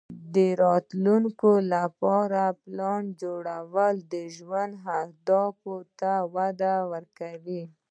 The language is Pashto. د راتلونکې لپاره پلان جوړول د ژوند اهدافو ته وده ورکوي.